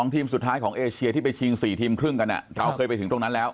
ทีมสุดท้ายของเอเชียที่ไปชิง๔ทีมครึ่งกันเราเคยไปถึงตรงนั้นแล้ว